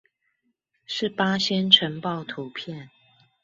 是八仙塵爆圖片